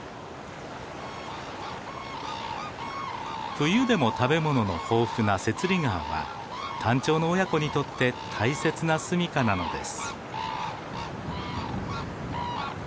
冬でも食べ物の豊富な雪裡川はタンチョウの親子にとって大切なすみかなのです。